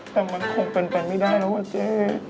แต่มันคงเป็นไปไม่ได้แล้วอ่ะเจ๊